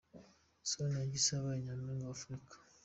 Sonia Gisa yabaye Nyampinga wa Afurika.